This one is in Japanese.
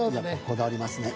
こだわりますね。